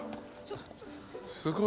すごい。